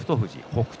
北勝